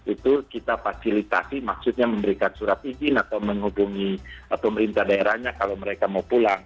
itu kita fasilitasi maksudnya memberikan surat izin atau menghubungi pemerintah daerahnya kalau mereka mau pulang